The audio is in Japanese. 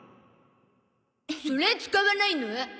それ使わないの？